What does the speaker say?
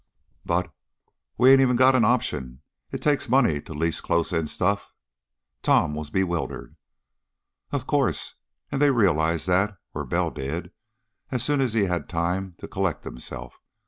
"But we 'ain't even got an option! It takes money to lease close in stuff." Tom was bewildered. "Of course. And they realized that, or Bell did, as soon as he'd had time to collect himself.